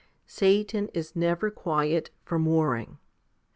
Satan is never quiet from warring.